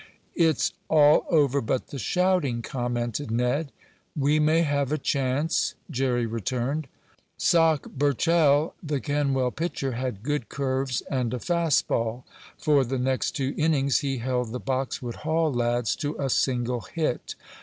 "It's all over but the shouting," commented Ned. "We may have a chance," Jerry returned. "Sock" Burchell, the Kenwell pitcher, had good curves and a fast ball. For the next two innings he held the Boxwood Hall lads to a single hit.